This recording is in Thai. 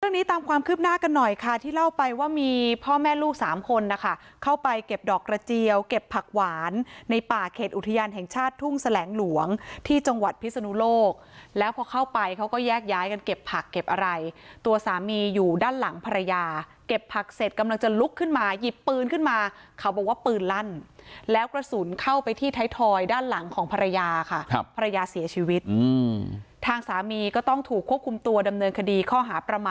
เรื่องนี้ตามความคืบหน้ากันหน่อยค่ะที่เล่าไปว่ามีพ่อแม่ลูก๓คนนะคะเข้าไปเก็บดอกกระเจียวเก็บผักหวานในป่าเขตอุทยานแห่งชาติทุ่งแสลงหลวงที่จังหวัดพิษณุโลกแล้วพอเข้าไปเขาก็แยกย้ายกันเก็บผักเก็บอะไรตัวสามีอยู่ด้านหลังภรรยาเก็บผักเสร็จกำลังจะลุกขึ้นมาหยิบปืนขึ้นมาเขาบอกว่าป